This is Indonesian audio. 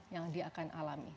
yang dia akan alami